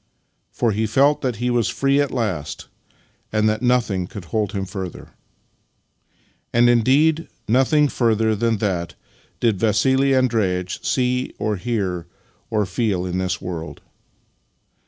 " For he felt that he was free at last, and that nothing could hold him further. And, indeed, nothing further than that did Vassili Andreitch see or hear or feel in this world.